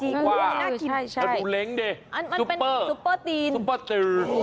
น่าดูเหล็งดิซุปเปอร์น่ากินใช่